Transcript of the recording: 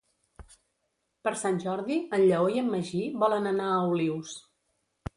Per Sant Jordi en Lleó i en Magí volen anar a Olius.